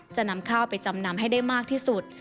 จะนำข้าวไปจำนำให้ได้มากที่สุด